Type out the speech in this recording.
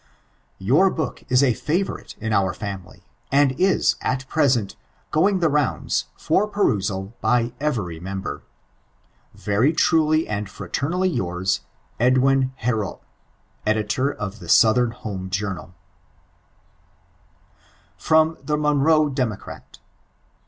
Your book is a favorite in onr family, and in, at present, going the rounds, for perusal, by eveiy member. Very truly and firatemally yours, EDWIN HEBIOT. Ed. of the Southern Home Journal [FROM "THE MONROE DEMOCRAT."